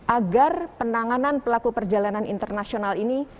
agar penanganan pelaku perjalanan internasional ini